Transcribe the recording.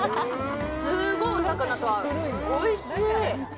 すごいお魚感、おいしい。